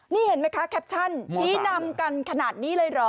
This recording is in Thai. นี่เห็นไหมคะแคปชั่นชี้นำกันขนาดนี้เลยเหรอ